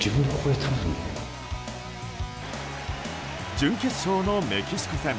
準決勝のメキシコ戦。